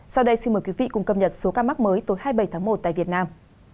sau đây xin mời quý vị cùng cập nhật số ca mắc mới tối hai mươi bảy tháng một tại việt nam